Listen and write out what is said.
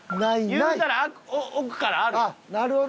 言うたら奥からあるよ。